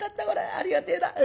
ありがてえな。